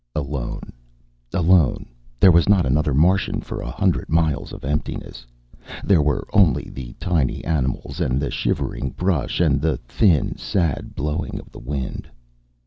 Alone, alone. There was not another Martian for a hundred miles of emptiness. There were only the tiny animals and the shivering brush and the thin, sad blowing of the wind.